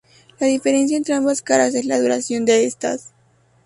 La diferencia entre ambas caras es la duración de estas.